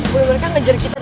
boleh mereka ngejar kita